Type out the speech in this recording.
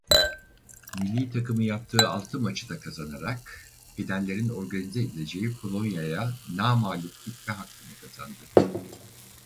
Millî takımı yaptığı altı maçı da kazanarak finallerin organize edileceği Polonya'ya namağlup gitme hakkını kazandı.